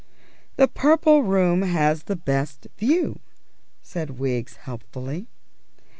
"The Purple Room has the best view," said Wiggs helpfully.